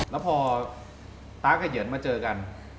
แล้วพอตากับเหยียนมาเจอกัน